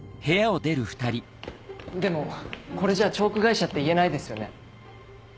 でもこれじゃあチョーク会社って言えないですよね。